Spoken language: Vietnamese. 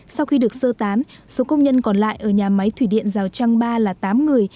sau khi được sơ tán số công nhân còn lại ở nhà máy thủy điện rào trăng ba là tám người